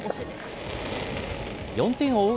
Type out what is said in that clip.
４点を追う